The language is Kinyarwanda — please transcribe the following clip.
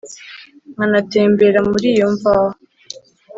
nkanatembera mu iyo mvaho